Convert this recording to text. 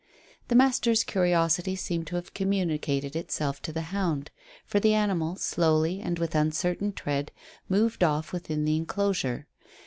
The master's curiosity seemed to have communicated itself to the hound, for the animal slowly, and with uncertain tread, moved off within the enclosure.